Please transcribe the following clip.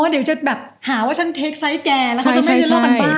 อ๋อเดี๋ยวจะแบบหาว่าฉันเทคไซส์แก่แล้วก็ไม่ได้รอบกันบ้าน